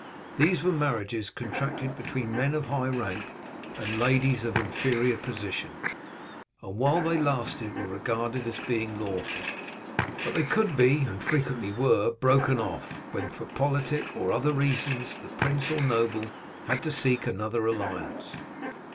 These were marriages contracted between men of high rank and ladies of inferior position, and while they lasted were regarded as being lawful; but they could be, and frequently were, broken off, when for politic or other reasons the prince or noble had to seek another alliance.